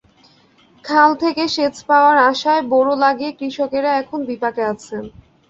খাল থেকে সেচ পাওয়ার আশায় বোরো লাগিয়ে কৃষকেরা এখন বিপাকে আছেন।